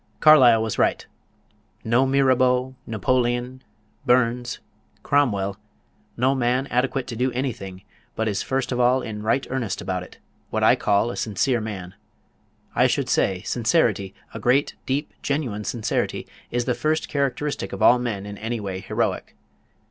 Carlyle was right: "No Mirabeau, Napoleon, Burns, Cromwell, no man adequate to do anything, but is first of all in right earnest about it; what I call a sincere man. I should say sincerity, a great, deep, genuine sincerity, is the first characteristic of all men in any way heroic.